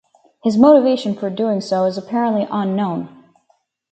His motivation for doing so is apparently unknown.